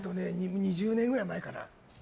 ２０年ぐらい前かな。